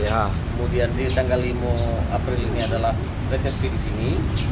kemudian di tanggal lima april ini adalah resepsi di sini